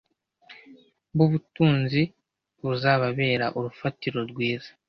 b ubutunzi buzababera urufatiro rwiza